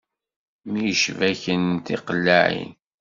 Myecbaken tiqellaɛin.